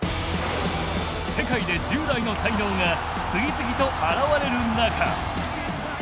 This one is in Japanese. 世界で１０代の才能が次々と現れる中。